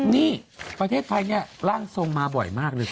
นี่ประเทศไทยเนี่ยร่างทรงมาบ่อยมากเลย